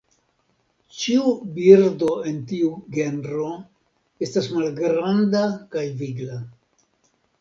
Ĉiu birdo en tiu genro estas malgranda kaj vigla.